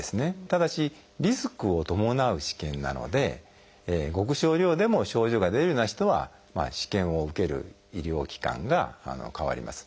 ただしリスクを伴う試験なのでごく少量でも症状が出るような人は試験を受ける医療機関が変わります。